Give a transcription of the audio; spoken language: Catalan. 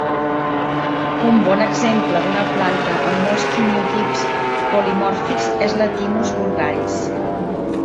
Un bon exemple d'una planta amb molts quimiotips polimòrfics és la "Thymus vulgaris".